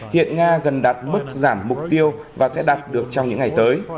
hiện nga cần đạt mức giảm mục tiêu và sẽ đạt được trong những ngày tới